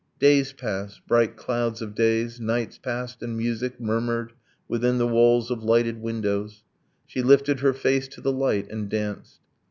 Days passed, bright clouds of days. Nights passed. And music Murmured within the walls of lighted windows. She lifted her face to the light and danced.